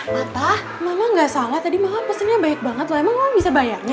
ma mama gak salah tadi mama pesannya baik banget lah emang mama bisa bayarnya